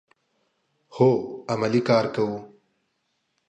هو، عملی کار کوو